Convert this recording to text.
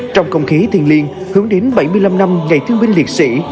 trong công khí thiền liên hướng đến bảy mươi năm năm ngày thương binh liệt sĩ